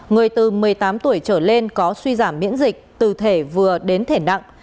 người từ một mươi tám tuổi trở lên có suy giảm miễn dịch từ thể vừa đến thể nặng